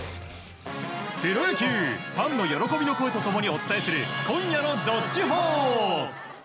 プロ野球ファンの喜びの声と共にお伝えする今夜の「＃どっちほー」。